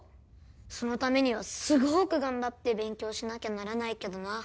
そのためにはすごーく頑張って勉強しなきゃならないけどな。